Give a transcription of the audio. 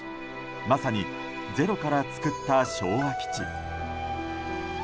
まさにゼロから作った昭和基地。